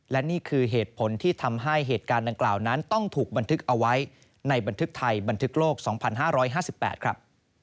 และนี่คือเหตุผลที่ทำให้เหตุการณ์ดังกล่าวนั้นต้องถูกบันทึกเอาไว้ในบันทึกไทยบันทึกโลก๒๕๕๘ครับ